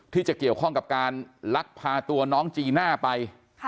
ที่จะเกี่ยวข้องกับการลักพาตัวน้องจีน่าไป